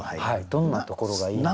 どんなところがいい？